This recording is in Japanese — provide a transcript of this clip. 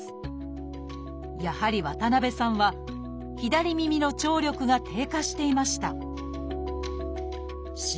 やはり渡辺さんは左耳の聴力が低下していました。